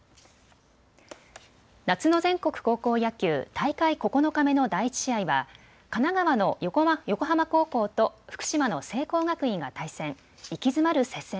夏の全国高校野球、大会９日目の第１試合は神奈川の横浜高校と福島の聖光学院が対戦。